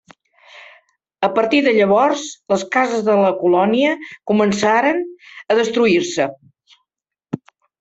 A partir de llavors, les cases de la colònia començaren a destruir-se.